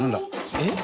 えっ？